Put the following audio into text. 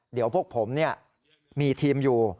เดี๋ยวพวกผมมีทีมอยู่